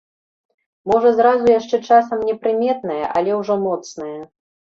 Можа зразу яшчэ часам непрыметнае, але ўжо моцнае.